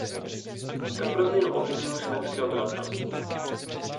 To pro změnu ovlivnilo švédské obyvatelstvo.